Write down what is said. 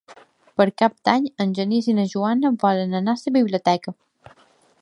Per Cap d'Any en Genís i na Joana volen anar a la biblioteca.